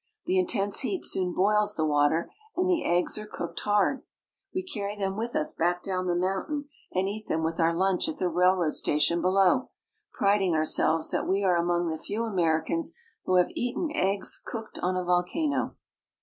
The intense heat soon boils the water, and the eggs are cooked hard. We carry them with us back down the mountain, and eat them with our lunch at the railroad station below, priding ourselves that we are among the few Americans who have eaten eggs cooked on a volcano.